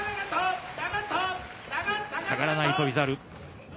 下がらない翔猿。